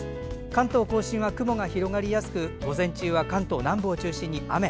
関東・甲信は雲が広がりやすく午前中は関東南部を中心に雨。